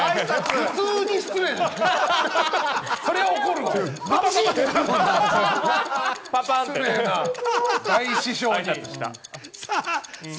普通に失礼。